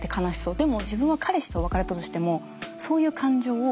でも自分は彼氏と別れたとしてもそういう感情を抱いていない。